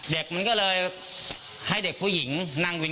เด็กมันก็เลยให้เด็กผู้หญิงนั่งวิน